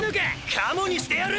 カモにしてやる！